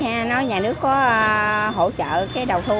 nghe nói nhà nước có hỗ trợ cái đầu thu